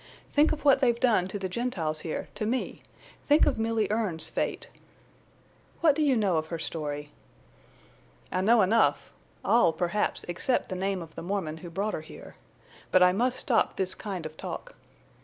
Think of what they've done to the Gentiles here, to me—think of Milly Erne's fate!" "What do you know of her story?" "I know enough—all, perhaps, except the name of the Mormon who brought her here. But I must stop this kind of talk."